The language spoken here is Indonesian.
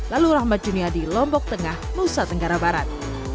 lalu rahmat junia di lompok tengah nusa tenggara barat